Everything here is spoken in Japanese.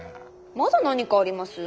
まだ何かあります？